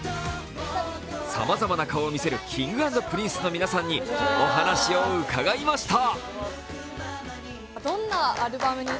さまざまな顔を見せるＫｉｎｇ＆Ｐｒｉｎｃｅの皆さんにお話を伺いました。